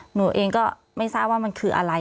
หนูเองก็ไม่ทราบว่ามันคืออะไร